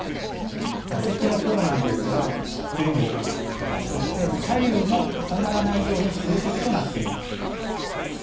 座席のほうなんですが前後、そして左右も重ならないように空席となっています。